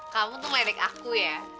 kamu tuh ledek aku ya